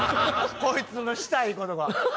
こいつのしたい事が。